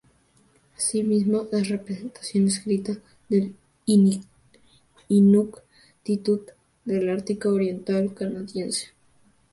Asimismo es representación escrita del inuktitut del ártico oriental canadiense.